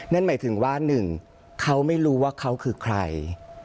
นั่นหมายถึงว่าหนึ่งเขาไม่รู้ว่าเขาคือใคร